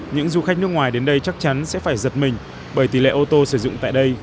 những du khách nước ngoài đến đây chắc chắn sẽ phải giật mình bởi tỷ lệ ô tô sử dụng tại đây